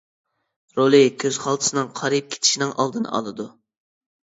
رولى: كۆز خالتىسىنىڭ قارىيىپ كېتىشنىڭ ئالدىنى ئالىدۇ.